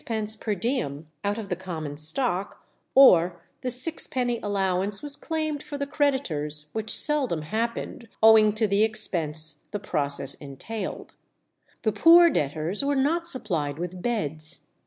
_ per diem out of the common stock; or the sixpenny allowance was claimed for the creditors, which seldom happened, owing to the expense the process entailed. The poor debtors were not supplied with beds.